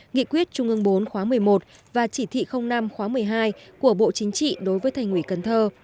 nghị quyết trung ương bốn khóa một mươi một và chỉ thị năm khóa một mươi hai của bộ chính trị đối với thành ủy cần thơ